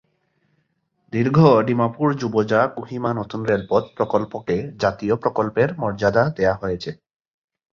দীর্ঘ ডিমাপুর-জুবজা- কোহিমা নতুন রেলপথ প্রকল্পকে জাতীয় প্রকল্পের মর্যাদা দেওয়া হয়েছে।